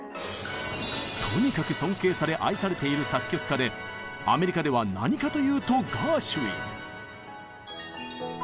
とにかく尊敬され愛されている作曲家でアメリカでは何かというとガーシュウィン！